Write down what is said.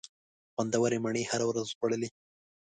خوندورې مڼې مو هره ورځ خوړلې.